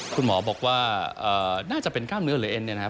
คุณหมอบอกว่าน่าจะเป็นกล้ามเนื้อหรือเอ็นเนี่ยนะครับ